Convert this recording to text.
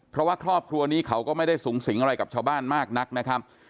เพราะว่าครอบครัวนี้เขาก็ไม่ได้สูงสิงอะไรกับชาวบ้านมากนักนะครับ